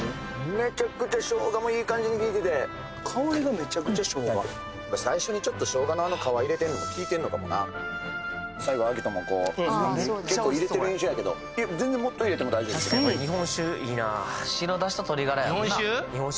めちゃくちゃ生姜もいい感じに効いてて香りがめちゃくちゃ生姜最初にちょっと生姜のあの皮入れてんのも効いてんのかもな最後照史もこうああそう結構入れてる印象やけどえっ全然もっと入れても大丈夫確かにこれ日本酒いいな白ダシと鶏ガラやもんな日本酒？